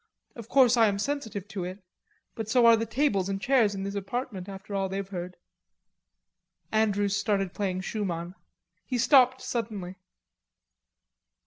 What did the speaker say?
Of course I am sensitive to it, but so are the tables and chairs in this apartment, after all they've heard." Andrews started playing Schumann. He stopped suddenly.